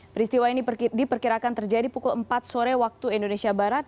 peristiwa ini diperkirakan terjadi pukul empat sore waktu indonesia barat